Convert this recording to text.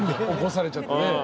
起こされちゃってね。